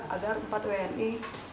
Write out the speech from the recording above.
agar empat wni